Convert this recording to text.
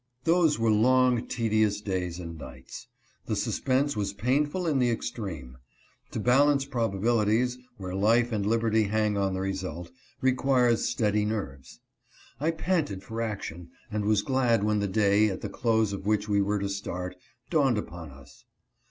Those were long, tedious days and nights. The sus pense was painful in the extreme. To balance probabili 9 204 ANXIOUS DAYS. ties, where life and liberty hang on the result, requires steady nerves. I panted for action, and was glad when the day, at the close of which we were to start, dawned upon us.